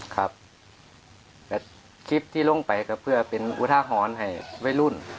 ครับแต่คลิปที่ลงไปก็เพื่อเป็นอุทาหรณ์ให้วัยรุ่น